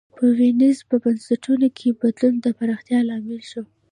په وینز په بنسټونو کې بدلون د پراختیا لامل شو.